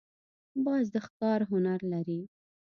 باز د ښکار هنر لري